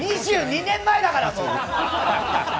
２２年前だからもう！